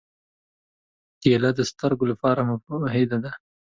کېله د سترګو لپاره مفیده ده.